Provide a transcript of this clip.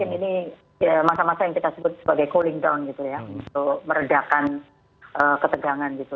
ini masa masa yang kita sebut sebagai cooling down gitu ya untuk meredakan ketegangan gitu